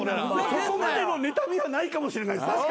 そこまでのねたみはないかもしれないです。